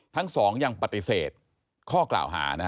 ทั้งสองยังปฏิเสธข้อกล่าวหานะฮะ